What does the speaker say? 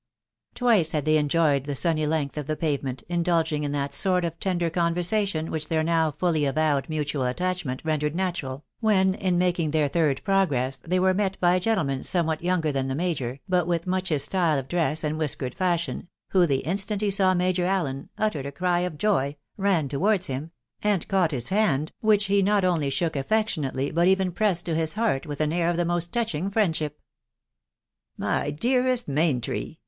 Twice had they enjoyed the sunny length of the pavement, indulging in that sort of tender conversation which their now fully avowed mutual attachment rendered natural, when, in making their third progress, they were met by a gentleman somewhat younger than the major, but with much his style of dress and whiskered fashion, who, the instant he saw Major Allen, uttered a cry of joy, ran towards him, and caught his hand, which he not only shook affectionately, but even pressed to his heart with an air of the most touching friendship. " My dearest Maintry !